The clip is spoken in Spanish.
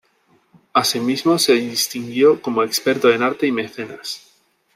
Asimismo se distinguió como experto en arte y mecenas.